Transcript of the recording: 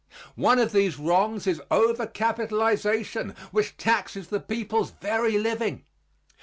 One of these wrongs is over capitalization which taxes the people's very living.